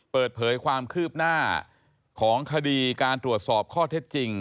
เปิดเผยความคืบหน้าของคดีการตรวจสอบข้อเท็จจริง